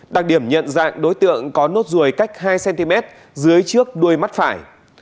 đặc điểm nhận dạng đối tượng có nốt ruồi cách hai cm dưới trước đuôi mắt phải